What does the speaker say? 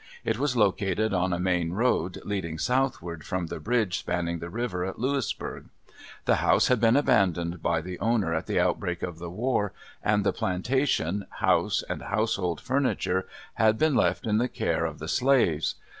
It was located on a main road leading southward from the bridge spanning the river at Louisburg. The house had been abandoned by the owner at the outbreak of the war, and the plantation, house, and household furniture had been left in the care of the slaves.